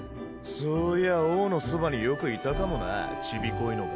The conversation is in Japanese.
そういや王のそばによくいたかもなぁチビこいのが。